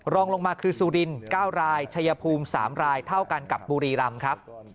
รองลงมาคือสุรินทร์๙รายชายภูมิ๓รายเท่ากันกับบุรีรำครับ